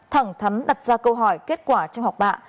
thẳng thắn đặt ra câu hỏi kết quả trong học bạ